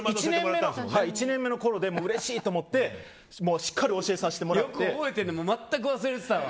１年目のころでうれしいと思ってしっかり教えさせてもらって。